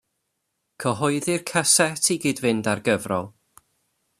Cyhoeddir casét i gyd-fynd â'r gyfrol.